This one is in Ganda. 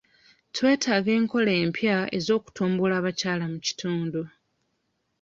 Twetaaga enkola empya ez'okutumbula abakyala mu kitundu.